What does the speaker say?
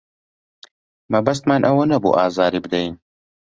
مەبەستمان ئەوە نەبوو ئازاری بدەین.